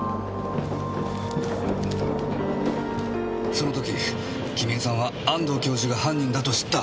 その時公江さんは安藤教授が犯人だと知った。